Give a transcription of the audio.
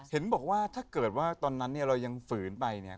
เห็นบอกว่าถ้าเกิดว่าตอนนั้นเนี่ยเรายังฝืนไปเนี่ย